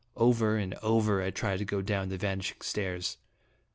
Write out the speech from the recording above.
Over and over 1 tried to go down these vanishing stairs.